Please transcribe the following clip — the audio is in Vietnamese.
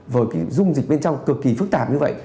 với dung dịch bên trong cực kỳ phức tạp như vậy